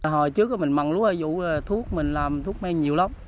hồi trước mình mặn lúa dụ là thuốc mình làm thuốc men nhiều lắm